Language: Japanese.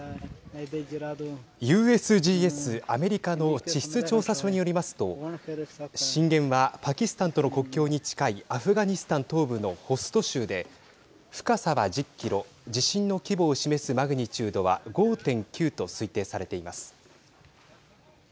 ＵＳＧＳ＝アメリカの地質調査所によりますと震源はパキスタンとの国境に近いアフガニスタン東部のホスト州で深さは１０キロ地震の規模を示すマグニチュードは５．９と推定されています。